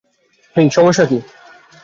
হেই, সমস্যা কি?